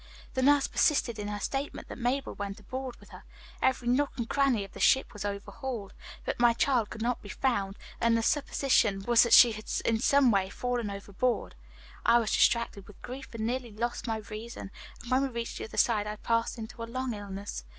The nurse persisted in her statement that Mabel went aboard with her. Every nook and cranny of the ship was overhauled, but my child could not be found, and the supposition was that she had in some way fallen overboard. "I was distracted with grief, and nearly lost my reason, and when we reached the other side I passed into a long illness.